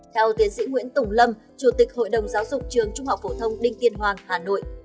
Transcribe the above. theo tiến sĩ nguyễn tùng lâm chủ tịch hội đồng giáo dục trường trung học phổ thông đinh tiên hoàng hà nội